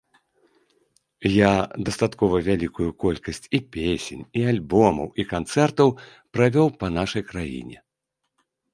Я дастаткова вялікую колькасць і песень, і альбомаў, і канцэртаў правёў па нашай краіне.